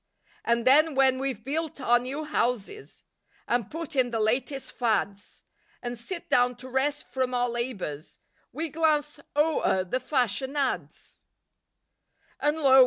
And then when we've built our new houses, And put in the "latest fads," And sit down to rest from our labors, We glance o'er the "fashion ads." LIFE WAVES fi And lo!